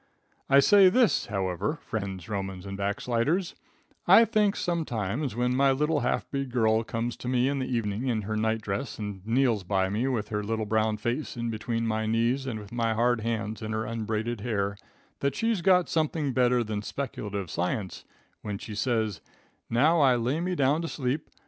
[Illustration: MOVING HIS LIBRARY.] "I say this, however, friends, Romans and backsliders: I think sometimes when my little half breed girl comes to me in the evening in her night dress, and kneels by me with her little brown face in between my knees, and with my hard hands in her unbraided hair, that she's got something better than speculative science when she says: 'Now I lay me down to sleep.